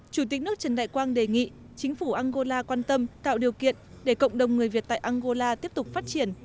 chủ tịch nước trần đại quang đề nghị chính phủ angola quan tâm tạo điều kiện để cộng đồng người việt tại angola tiếp tục phát triển